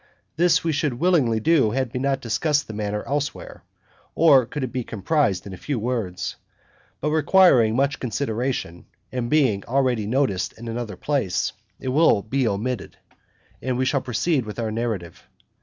This we should willingly do had we not discussed the matter elsewhere, or could it be comprised in few words. But requiring much consideration, and being already noticed in another place, it will be omitted, and we shall proceed with our narrative.